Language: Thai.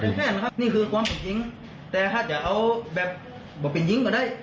กดแขนครับนี่คือความฝึกยิ้งแต่ถ้าจะเอาแบบบ่เป็นยิ้งก็ได้